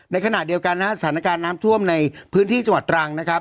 ในขณะเดียวกันนะครับสถานการณ์น้ำท่วมในพื้นที่จังหวัดตรังนะครับ